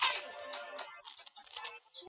ni vigumu kwani hadi sasa kila mgombea